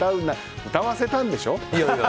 歌わせたんでしょ。